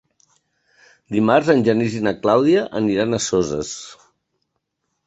Dimarts en Genís i na Clàudia aniran a Soses.